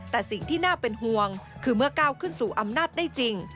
แต่สิ่งที่น่าเป็นห่วงคือเมื่อก้าวขึ้นสู่อำนาจได้จริง